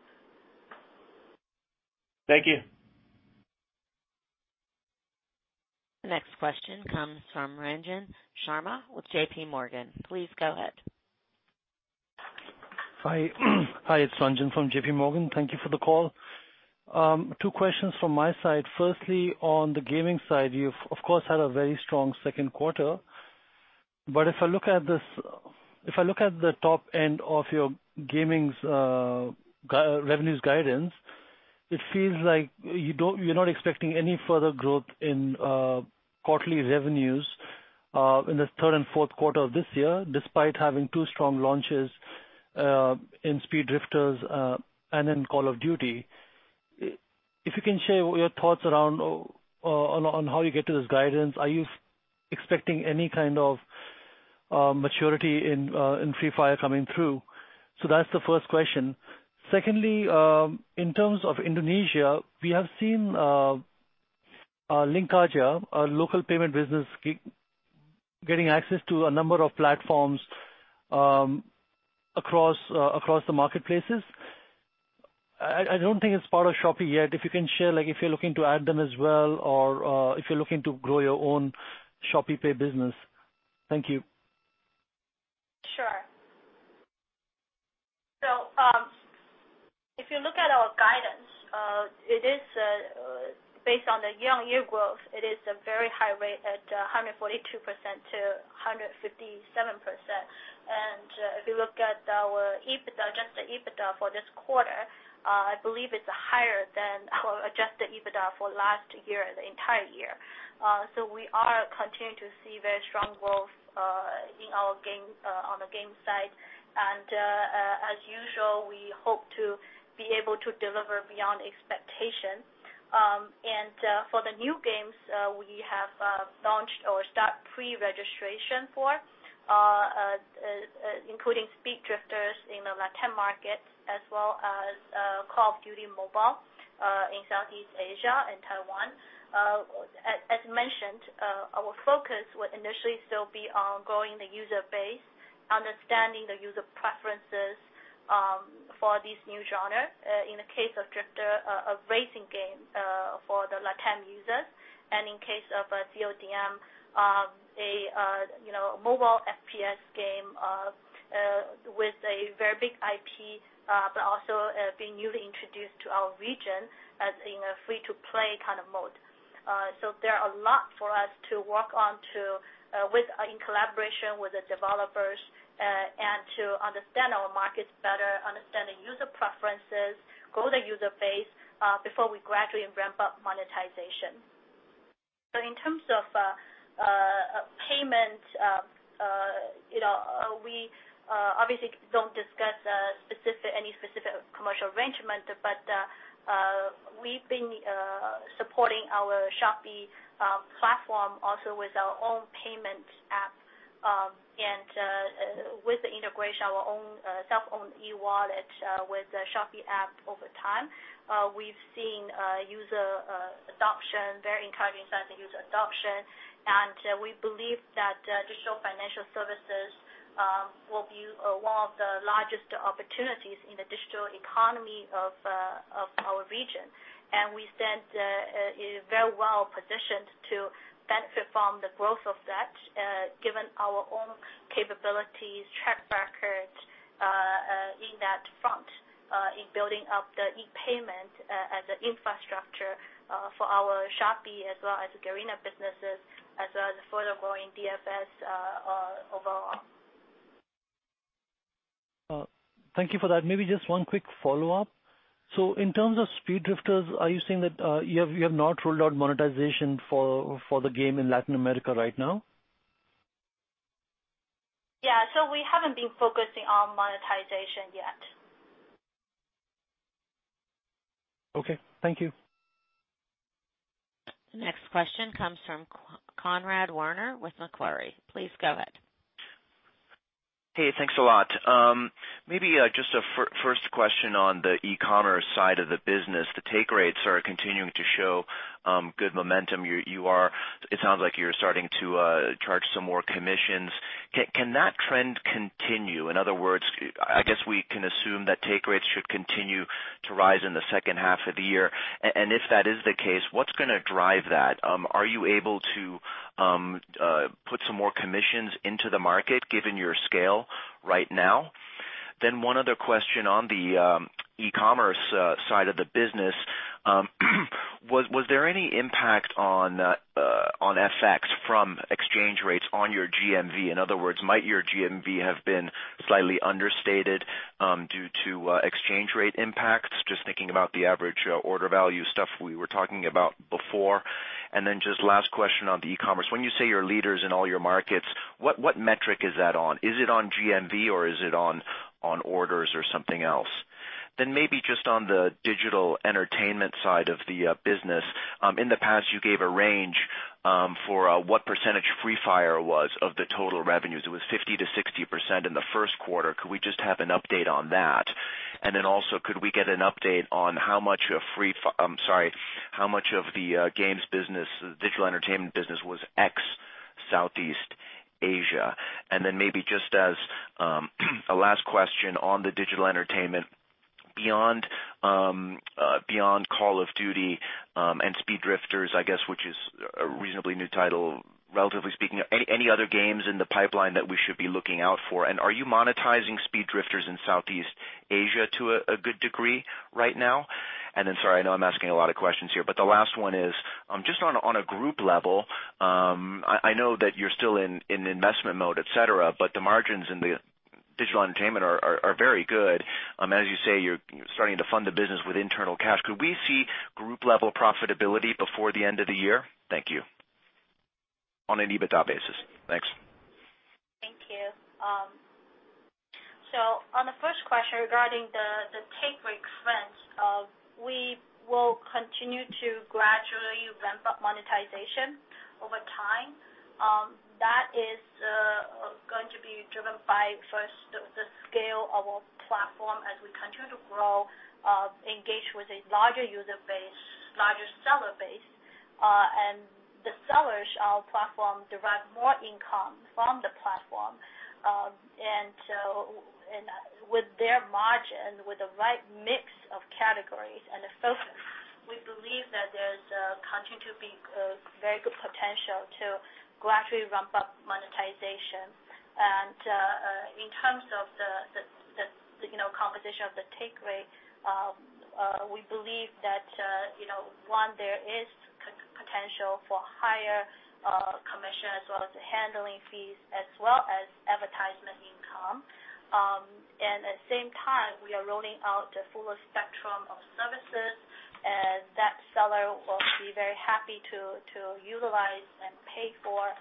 Thank you. Next question comes from Ranjan Sharma with J.P. Morgan. Please go ahead. Hi, it's Ranjan from J.P. Morgan. Thank you for the call. Two questions from my side. Firstly, on the gaming side, you've of course, had a very strong second quarter. If I look at the top end of your gaming's revenues guidance, it feels like you're not expecting any further growth in quarterly revenues in the third and fourth quarter of this year, despite having two strong launches in Speed Drifters and in Call of Duty. If you can share your thoughts around on how you get to this guidance. Are you expecting any kind of maturity in Free Fire coming through? That's the first question. Secondly, in terms of Indonesia, we have seen LinkAja, a local payment business, getting access to a number of platforms across the marketplaces. I don't think it's part of Shopee yet. If you can share, if you're looking to add them as well or if you're looking to grow your own ShopeePay business. Thank you. Sure. If you look at our guidance, it is based on the year-on-year growth. It is a very high rate at 142%-157%. If you look at our EBITDA, adjusted EBITDA for this quarter, I believe it's higher than our adjusted EBITDA for last year, the entire year. We are continuing to see very strong growth on the game side. As usual, we hope to be able to deliver beyond expectation. For the new games, we have launched or start pre-registration for including Speed Drifters in the LATAM markets as well as Call of Duty: Mobile in Southeast Asia and Taiwan. As mentioned, our focus would initially still be on growing the user base, understanding the user preferences for these new genres. In the case of Speed Drifters, a racing game for the LATAM users, and in case of CODM, a mobile FPS game with a very big IP but also being newly introduced to our region as in a free-to-play kind of mode. There are a lot for us to work on in collaboration with the developers and to understand our markets better, understanding user preferences, grow the user base before we gradually ramp up monetization. In terms of payment, we obviously don't discuss any specific commercial arrangement. We've been supporting our Shopee platform also with our own payment app. With the integration of our own self-owned e-wallet with the Shopee app over time, we've seen user adoption, very encouraging signs of user adoption. We believe that digital financial services will be one of the largest opportunities in the digital economy of our region. We stand very well positioned to benefit from the growth of that given our own capabilities, track record in that front in building up the e-payment as an infrastructure for our Shopee as well as Garena businesses as well as further growing DFS overall. Thank you for that. Maybe just one quick follow-up. In terms of Speed Drifters, are you saying that you have not rolled out monetization for the game in Latin America right now? Yeah. We haven't been focusing on monetization yet. Okay. Thank you. Next question comes from Conrad Werner with Macquarie. Please go ahead. Hey, thanks a lot. Maybe just a first question on the e-commerce side of the business. The take rates are continuing to show good momentum. It sounds like you're starting to charge some more commissions. Can that trend continue? In other words, I guess we can assume that take rates should continue to rise in the second half of the year. If that is the case, what's going to drive that? Are you able to put some more commissions into the market given your scale right now? One other question on the e-commerce side of the business. Was there any impact on FX from exchange rates on your GMV? In other words, might your GMV have been slightly understated due to exchange rate impacts? Just thinking about the average order value stuff we were talking about before. Just last question on the e-commerce. When you say you're leaders in all your markets, what metric is that on? Is it on GMV, or is it on orders or something else? Maybe just on the digital entertainment side of the business. In the past, you gave a range for what % Free Fire was of the total revenues. It was 50%-60% in the first quarter. Could we just have an update on that? Also, could we get an update on how much of the digital entertainment business was ex-Southeast Asia? Maybe just as a last question on the digital entertainment, beyond Call of Duty and Speed Drifters, I guess, which is a reasonably new title, relatively speaking, any other games in the pipeline that we should be looking out for? Are you monetizing Speed Drifters in Southeast Asia to a good degree right now? Sorry, I know I'm asking a lot of questions here. The last one is, just on a group level. I know that you're still in investment mode, et cetera, but the margins in the Digital Entertainment are very good. As you say, you're starting to fund the business with internal cash. Could we see group-level profitability before the end of the year? Thank you. On an EBITDA basis. Thanks. Thank you. On the first question regarding the take rate trends, we will continue to gradually ramp up monetization over time. That is going to be driven by, first, the scale of our platform as we continue to grow, engage with a larger user base, larger seller base. The sellers of our platform derive more income from the platform. With their margin, with the right mix of categories and the focus, we believe that there's continuing to be very good potential to gradually ramp up monetization. In terms of the composition of the take rate, we believe that, one, there is potential for higher commission as well as handling fees, as well as advertisement income. At the same time, we are rolling out the fullest spectrum of services as that seller will be very happy to utilize and pay for.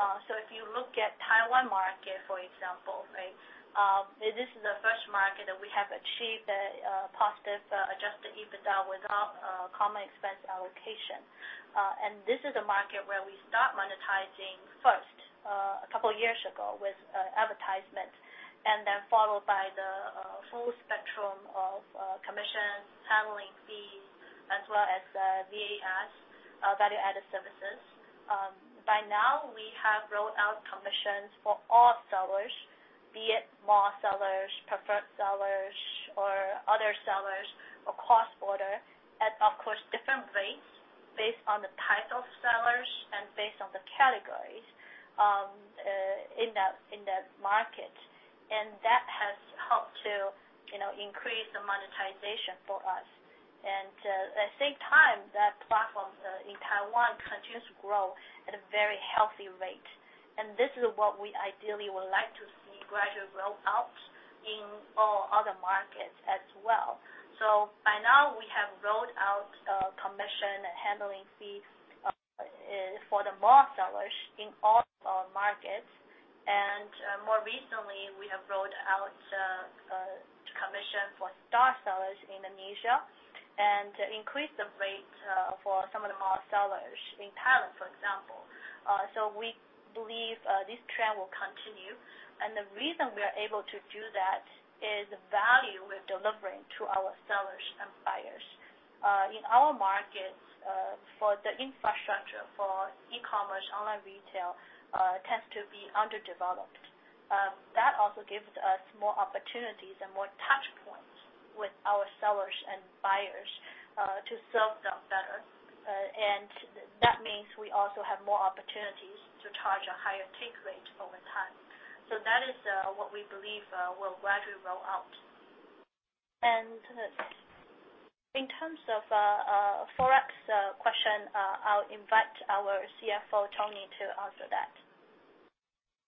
If you look at Taiwan market, for example, this is the first market that we have achieved a positive adjusted EBITDA without common expense allocation. This is a market where we start monetizing first, a couple of years ago, with advertisement, then followed by the full spectrum of commission, handling fees, as well as VAS, value-added services. By now, we have rolled out commissions for all sellers, be it mall sellers, preferred sellers, or other sellers across border. At, of course, different rates based on the type of sellers and based on the categories in that market. That has helped to increase the monetization for us. At the same time, that platform in Taiwan continues to grow at a very healthy rate. This is what we ideally would like to see gradually roll out in all other markets as well. By now, we have rolled out commission and handling fees for the mall sellers in all our markets. More recently, we have rolled out commission for star sellers in Indonesia and increased the rate for some of the mall sellers in Thailand, for example. We believe this trend will continue, and the reason we are able to do that is the value we are delivering to our sellers and buyers. In our markets, for the infrastructure for e-commerce, online retail, tends to be underdeveloped. That also gives us more opportunities and more touchpoints with our sellers and buyers to serve them better. That means we also have more opportunities to charge a higher take rate over time. That is what we believe will gradually roll out. In terms of ForEx question, I will invite our CFO, Tony, to answer that.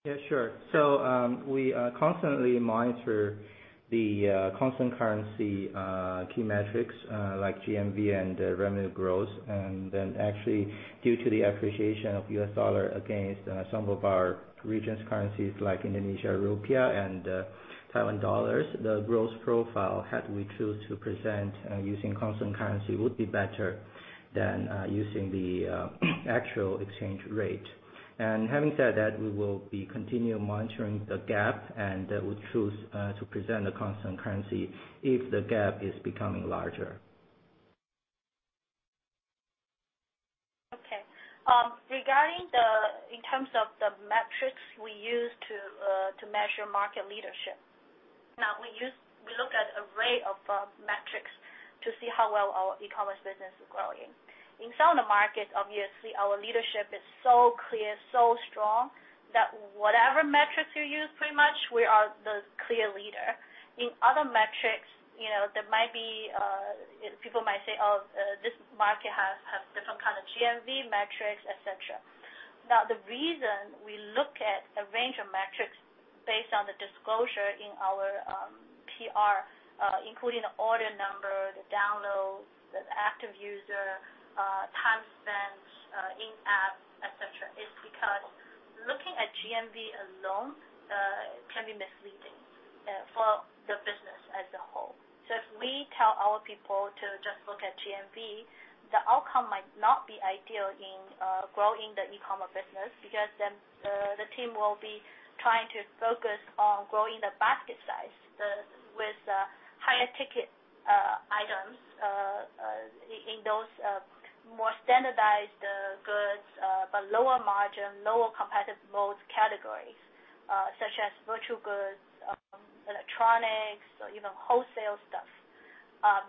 Yeah, sure. We constantly monitor the constant currency key metrics like GMV and revenue growth. Actually, due to the appreciation of US dollar against some of our regions' currencies like Indonesia Rupiah and Taiwan dollars, the growth profile, had we choose to present using constant currency, would be better than using the actual exchange rate. Having said that, we will be continuing monitoring the gap, and we choose to present the constant currency if the gap is becoming larger. Okay. Regarding in terms of the metrics we use to measure market leadership. We use a range of metrics to see how well our e-commerce business is growing. In some of the markets, obviously, our leadership is so clear, so strong, that whatever metrics you use pretty much, we are the clear leader. In other metrics, people might say, "Oh, this market has different kind of GMV metrics," et cetera. The reason we look at a range of metrics based on the disclosure in our PR, including the order number, the downloads, the active user, time spent in-app, et cetera, is because looking at GMV alone can be misleading for the business as a whole. If we tell our people to just look at GMV, the outcome might not be ideal in growing the e-commerce business because then the team will be trying to focus on growing the basket size with higher ticket items in those more standardized goods, but lower margin, lower competitive mode categories, such as virtual goods, electronics, or even wholesale stuff.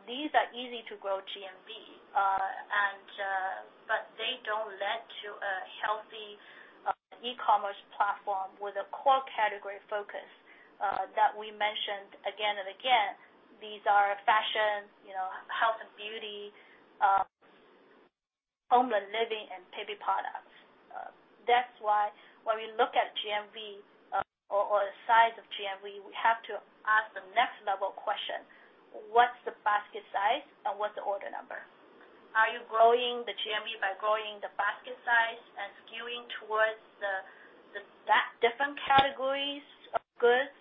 These are easy to grow GMV, but they don't lend to a healthy e-commerce platform with a core category focus that we mentioned again and again. These are fashion, health and beauty, home and living, and baby products. When we look at GMV or the size of GMV, we have to ask the next level question: What's the basket size, and what's the order number? Are you growing the GMV by growing the basket size and skewing towards the different categories of goods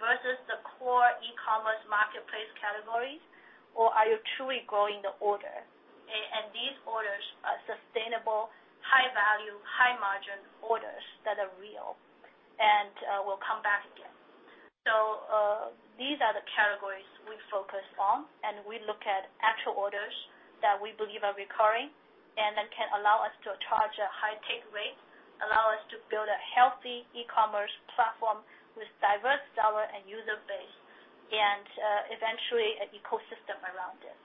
versus the core e-commerce marketplace categories, or are you truly growing the order? These orders are sustainable, high-value, high-margin orders that are real and will come back again. These are the categories we focus on, and we look at actual orders that we believe are recurring and that can allow us to charge a high take rate, allow us to build a healthy e-commerce platform with diverse seller and user base, and eventually an ecosystem around it.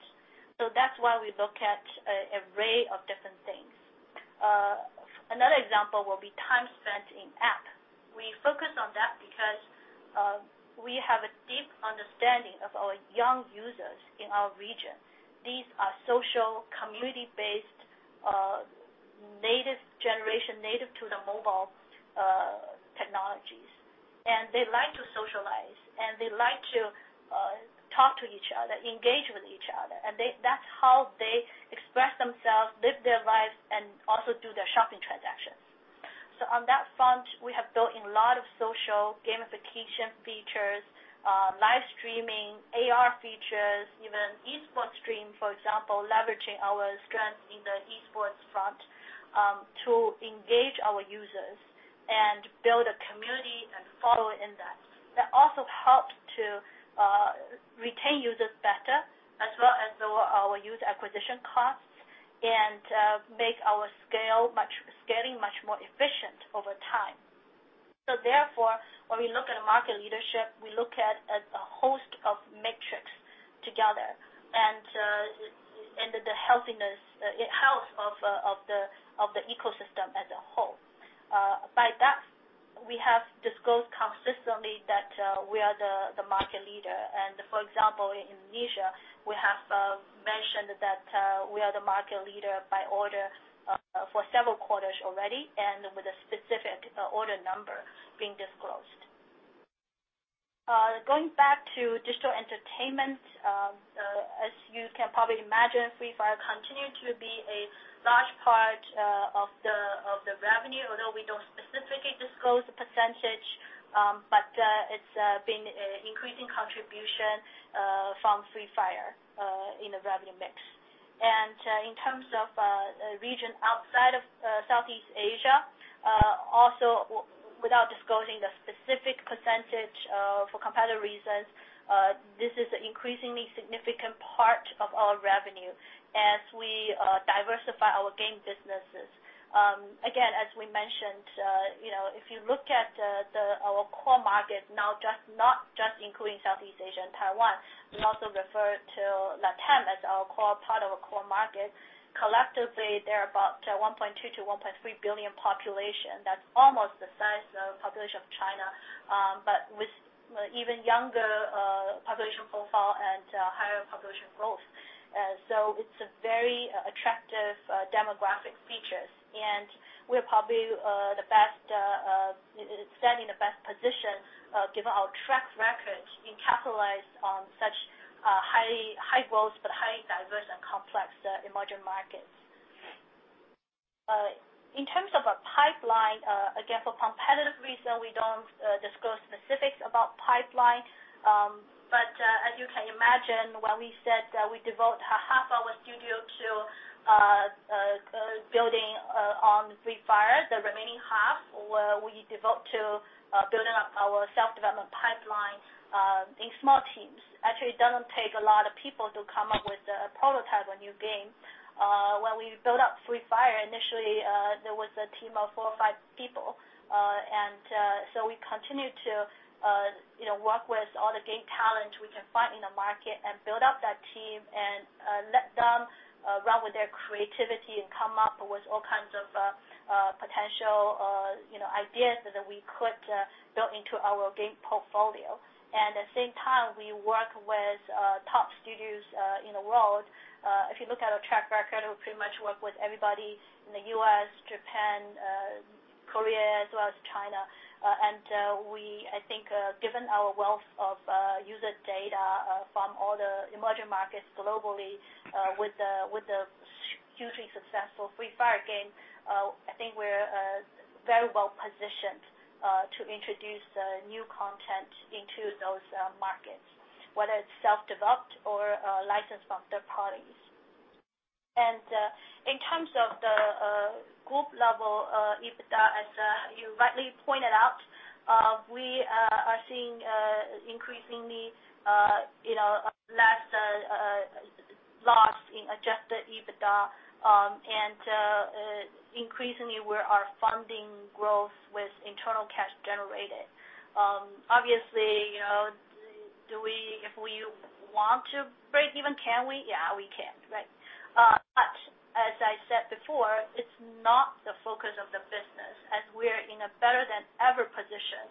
That's why we look at array of different things. Another example will be time spent in app. We focus on that because we have a deep understanding of our young users in our region. These are social, community-based, native generation, native to the mobile technologies. They like to socialize, and they like to talk to each other, engage with each other. That's how they express themselves, live their lives, and also do their shopping transactions. On that front, we have built in a lot of social gamification features, live streaming, AR features, even esports stream, for example, leveraging our strength in the esports front to engage our users and build a community and follow in that. That also helps to retain users better as well as lower our user acquisition costs and make our scaling much more efficient over time. Therefore, when we look at market leadership, we look at a host of metrics together and the health of the ecosystem as a whole. By that, we have disclosed consistently that we are the market leader. For example, in Indonesia, we have mentioned that we are the market leader by order for several quarters already and with a specific order number being disclosed. Going back to digital entertainment, as you can probably imagine, Free Fire continued to be a large part of the revenue, although we don't specifically disclose the %. It's been increasing contribution from Free Fire in the revenue mix. In terms of region outside of Southeast Asia, also without disclosing the specific % for competitive reasons, this is an increasingly significant part of our revenue as we diversify our game businesses. As we mentioned, if you look at our core market now, not just including Southeast Asia and Taiwan, we also refer to LATAM as our core part of a core market. Collectively, they're about 1.2 billion-1.3 billion population. That's almost the size of population of China, but with even younger population profile and higher population growth. It's a very attractive demographic features, and we are probably standing the best position given our track record in capitalize on such high growth but highly diverse and complex emerging markets. In terms of our pipeline, again, for competitive reason, we don't disclose specifics about pipeline. You can imagine, when we said that we devote half our studio to building on Free Fire, the remaining half, we devote to building up our self-development pipeline in small teams. It doesn't take a lot of people to come up with a prototype of a new game. When we built up Free Fire, initially, there was a team of four or five people. We continue to work with all the game talent we can find in the market and build up that team and let them run with their creativity and come up with all kinds of potential ideas that we could build into our game portfolio. At the same time, we work with top studios in the world. If you look at our track record, we pretty much work with everybody in the U.S., Japan, Korea, as well as China. I think given our wealth of user data from all the emerging markets globally with the hugely successful Free Fire game, I think we're very well-positioned to introduce new content into those markets, whether it's self-developed or licensed from third parties. In terms of the group level EBITDA, as you rightly pointed out, we are seeing increasingly less loss in adjusted EBITDA, and increasingly, we are funding growth with internal cash generated. Obviously, if we want to break even, can we? Yeah, we can, right? As I said before, it's not the focus of the business as we're in a better than ever position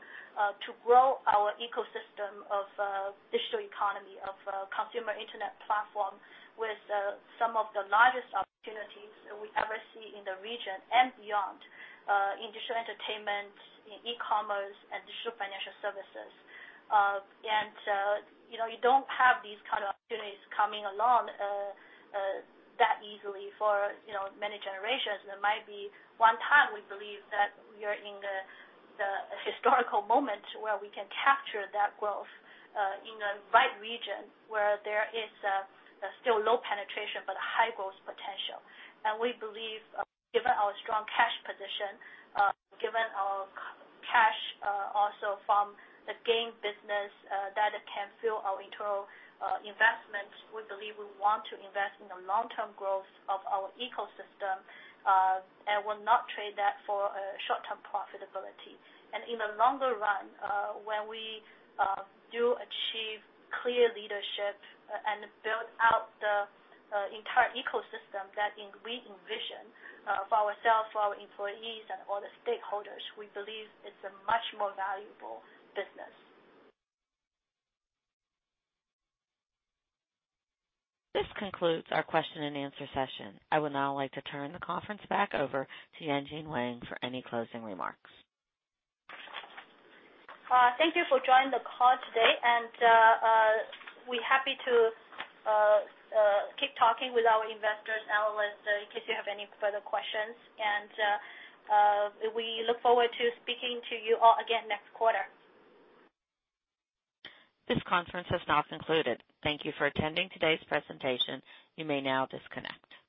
to grow our ecosystem of digital economy, of consumer internet platform with some of the largest opportunities we ever see in the region and beyond in digital entertainment, in e-commerce, and digital financial services. You don't have these kind of opportunities coming along that easily for many generations. There might be one time we believe that we are in the historical moment where we can capture that growth in a right region where there is still low penetration, but a high-growth potential. We believe given our strong cash position, given our cash also from the game business that it can fill our internal investments. We believe we want to invest in the long-term growth of our ecosystem, and will not trade that for short-term profitability. In the longer run, when we do achieve clear leadership and build out the entire ecosystem that we envision for ourselves, for our employees, and for the stakeholders, we believe it's a much more valuable business. This concludes our question and answer session. I would now like to turn the conference back over to Yanjun Wang for any closing remarks. Thank you for joining the call today. We're happy to keep talking with our investors, analysts, in case you have any further questions. We look forward to speaking to you all again next quarter. This conference has now concluded. Thank you for attending today's presentation. You may now disconnect.